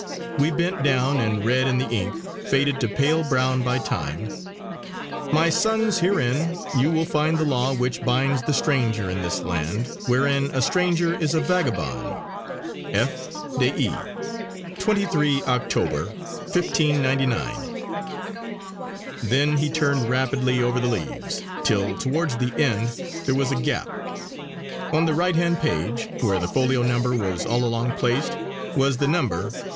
We bent down and read in the ink, faded to pale brown by time: "My sonnes herein you will find the law which binds the stranger in this land, wherein a stranger is a Vagabond. F. de E. XXIII. X. MDLXLIX." Then he turned rapidly over the leaves, till towards the end there was a gap. On the right hand page, where the folio number was all along placed was the number 528.